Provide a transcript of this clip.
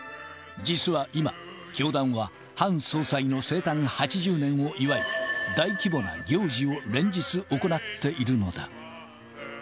実は今、教団はハン総裁の生誕８０年を祝い、大規模な行事を連日、行っているのだ。